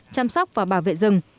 chăm sóc và bảo vệ rừng